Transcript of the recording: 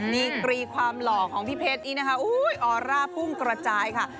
นี่กรีความหล่อของพี่เพชรออร่าภูมิกระจายค่ะ